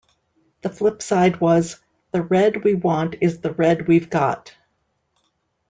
The flip side was "The Red We Want Is the Red We've Got".